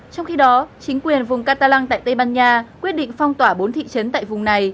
trong khi đó chính quyền vùng katalang tại tây ban nha quyết định phong tỏa bốn thị trấn tại vùng này